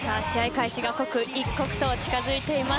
開始が刻一刻と近づいています。